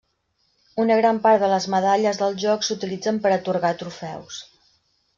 Una gran part de les medalles del joc s’utilitzen per atorgar trofeus.